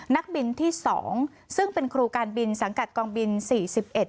นักบินที่สองซึ่งเป็นครูการบินสังกัดกองบินสี่สิบเอ็ด